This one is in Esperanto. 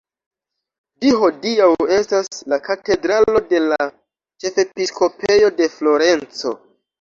Ĝi hodiaŭ estas la katedralo de la ĉefepiskopejo de Florenco.